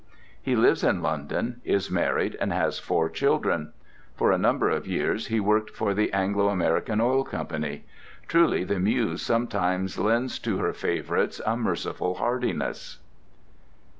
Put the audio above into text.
He lives in London, is married, and has four children. For a number of years he worked for the Anglo American Oil Company. Truly the Muse sometimes lends to her favourites a merciful hardiness.